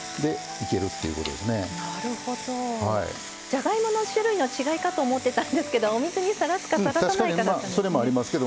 じゃがいもの種類の違いかと思ってたんですけどお水にさらすかさらさないかだったんですね。